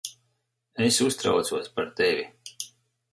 Es uztraucos par tevi.